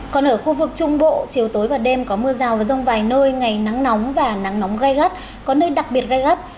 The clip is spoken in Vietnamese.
còn ở khu vực trung bộ chiều tối và đêm có mưa rào và rông vài nơi ngày nắng nóng và nắng nóng gai gắt có nơi đặc biệt gai gắt